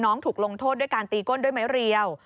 ถูกลงโทษด้วยการตีก้นด้วยไม้เรียว